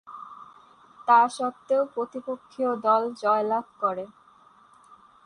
তাসত্ত্বেও প্রতিপক্ষীয় দল জয়লাভ করে।